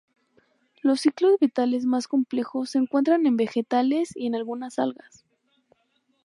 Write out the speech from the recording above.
Los ciclos vitales más complejos se encuentran en vegetales y en algunas algas.